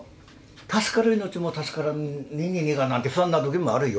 助かる命も助からねえんでねえかなんて不安なときもあるよ。